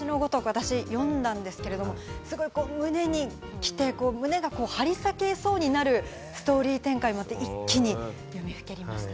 私、読んだんですけど、すごく胸に来て、胸が張り裂けそうになるストーリー展開もあって、一気に読みふけりました。